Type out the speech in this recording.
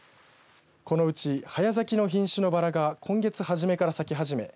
このうち、早咲きの品種のバラが今月初めから咲き始め